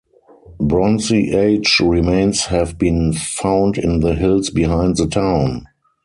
Bronze Age remains have been found in the hills behind the town.